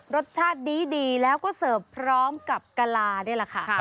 รสชาติดีแล้วก็เสิร์ฟพร้อมกับกะลานี่แหละค่ะ